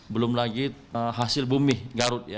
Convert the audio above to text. belum lagi hasil bumi garut ya